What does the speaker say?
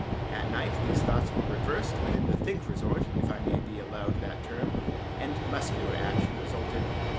At night these thoughts were reversed within the think resort, if I may be allowed that term, and muscular action resulted.